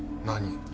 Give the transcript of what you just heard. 何？